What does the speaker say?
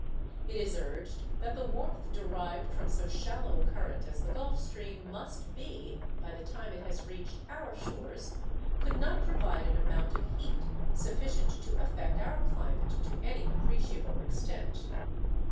It is urged that the warmth derived from so shallow a current as the Gulf Stream must be, by the time it has reached our shores, could not provide an amount of heat sufficient to affect our climate to any appreciable extent.